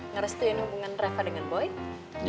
ngerestuin hubungan reva dengan boy